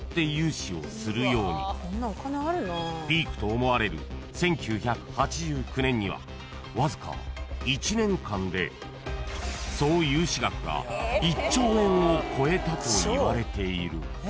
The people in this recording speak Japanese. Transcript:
［ピークと思われる１９８９年にはわずか１年間で総融資額が１兆円を超えたといわれている］